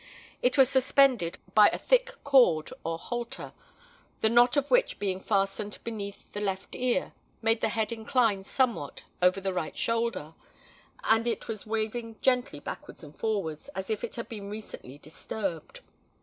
It was suspended by a thick cord, or halter, the knot of which being fastened beneath the left ear, made the head incline somewhat over the right shoulder; and it was waving gently backwards and forwards, as if it had been recently disturbed.